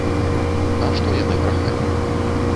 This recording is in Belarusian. А што яны брахалі?